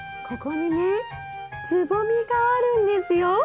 ここにねつぼみがあるんですよ。